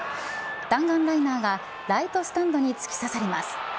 弾丸ライナーがライトスタンドに突き刺さります。